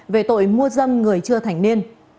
về tội mua dân người chưa thành niên